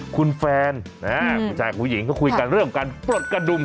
คุณแฟนผู้ชายกับผู้หญิงก็คุยกันเรื่องการปลดกระดุม